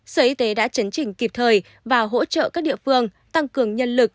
sở y tế đã chấn chỉnh kịp thời và hỗ trợ các địa phương tăng cường nhân lực